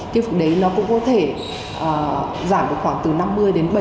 cái phần đấy nó cũng có thể giảm khoảng từ năm mươi đến bảy mươi